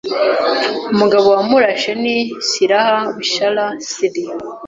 Umugabo wamurashe ni Sirhan Bishara Sirhan. )